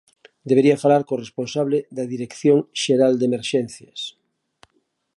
Debería falar co responsable da Dirección Xeral de Emerxencias.